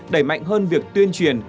đẩy mạnh hơn việc tuyên truyền